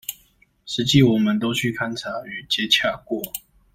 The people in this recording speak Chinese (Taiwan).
實際我們都去勘查與接洽過